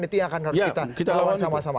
itu yang harus kita lawan sama sama